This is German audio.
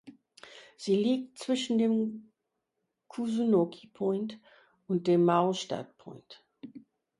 Sie liegt zwischen dem Kusunoki Point und dem Maurstad Point.